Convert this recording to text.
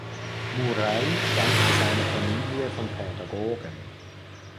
Murai stammt aus einer Familie von Pädagogen.